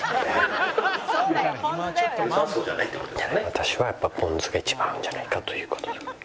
私はやっぱりポン酢が一番合うんじゃないかという事で。